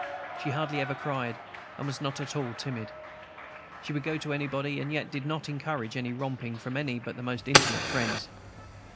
She hardly ever cried, and was not at all timid. She would go to anybody, and yet did not encourage any romping from any but the most intimate friends.